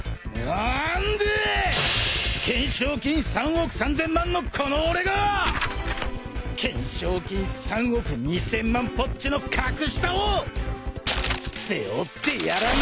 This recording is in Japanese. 何で懸賞金３億３，０００万のこの俺がぁ懸賞金３億２，０００万ぽっちの格下を背負ってやらなきゃなんねえんだ！